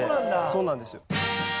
そうなんですよ。